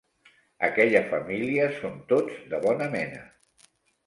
Aquella família són tots de bona mena.